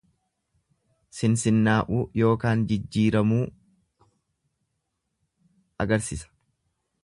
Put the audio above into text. Sinsinnaa'uu ykn įjiiramuu agarsisa.